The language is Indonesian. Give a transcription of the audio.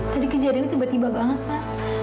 tadi kejadiannya tiba tiba banget mas